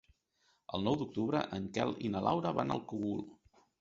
El nou d'octubre en Quel i na Laura van al Cogul.